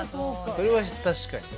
それは確かにね。